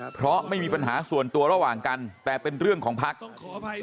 เพราะไม่มีปัญหาส่วนตัวระหว่างกันแต่เป็นเรื่องของภักดิ์